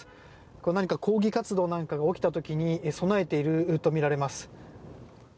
これは何か抗議活動なんかが起きた時に備えているとみられます。